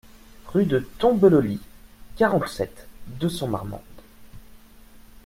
Rue de Tombeloly, quarante-sept, deux cents Marmande